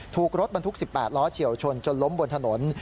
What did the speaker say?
ถูกรถบรรทุก๑๘ล้อเฉียวชนจนล้มบนถนน